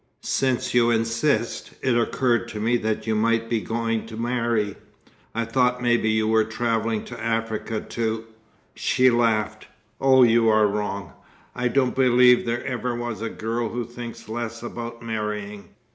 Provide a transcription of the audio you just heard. "Since you insist, it occurred to me that you might be going to marry. I thought maybe you were travelling to Africa to " She laughed. "Oh, you are wrong! I don't believe there ever was a girl who thinks less about marrying.